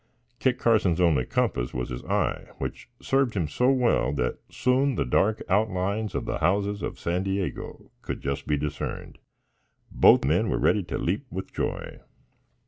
Kit Carson's only compass was his eye, which served him so well that soon the dark outlines of the houses of San Diego could just be discerned. Both men were ready to leap with joy.